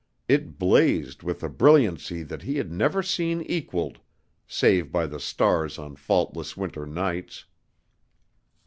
It blazed with a brilliancy that he had never seen equalled save by the stars on faultless winter nights.